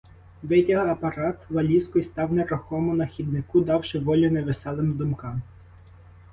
Витяг апарат, валізку й став нерухомо на хіднику, давши волю невеселим думкам.